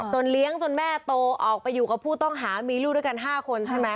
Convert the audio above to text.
เลี้ยงจนแม่โตออกไปอยู่กับผู้ต้องหามีลูกด้วยกัน๕คนใช่ไหม